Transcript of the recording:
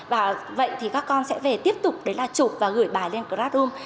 và vậy thì các con sẽ về tiếp tục để là chụp và gửi bài lên classroom